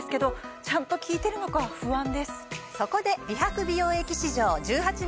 そこで。